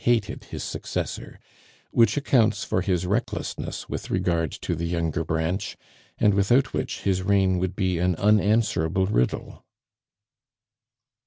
hated his successor, which accounts for his recklessness with regard to the younger branch, and without which his reign would be an unanswerable riddle.